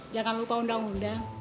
jangan lupa undang undang